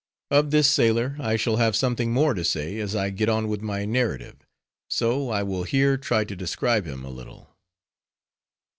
Of this sailor, I shall have something more to say, as I get on with my narrative; so, I will here try to describe him a little.